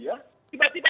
bagian dari bidang dia